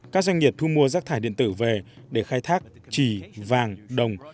các doanh nghiệp thu mua rác thải điện tử về để khai thác chỉ vàng đồng